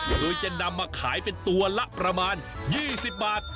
โดยจะนำมาขายเป็นตัวละประมาณ๒๐บาท